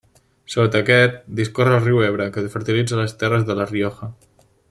Sota aquest, discorre el Riu Ebre, que fertilitza les terres de La Rioja.